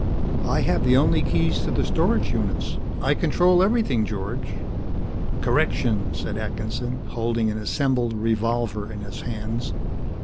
"I have the only keys to the storage units. I control everything, George." "Correction," said Atkinson, holding an assembled revolver in his hands.